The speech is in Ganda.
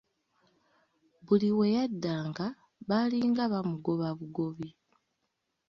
Buli we yaddanga baalinga bamugoba bugobi.